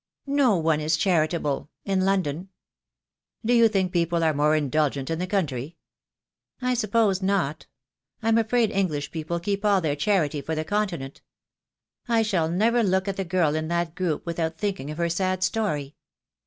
"No one is charitable — in London." "Do you think people are more indulgent in the country?" "I suppose not. I'm afraid English people keep all their charity for the Continent. I shall never look at the girl in that group without thinking of her sad story.